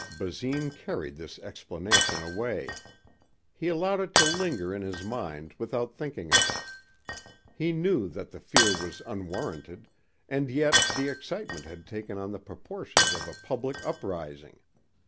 Basine carried this explanation away. He allowed it to linger in his mind without thinking of it. He knew that the fear was unwarranted and yet the excitement had taken on the proportions of a public uprising.